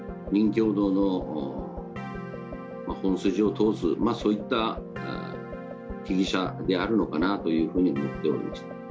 きょう道の本筋を通す、そういった被疑者であるのかなというふうに思っております。